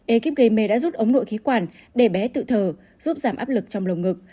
ekip gây mê đã giúp ống nội khí quản đề bé tự thờ giúp giảm áp lực trong lồng ngực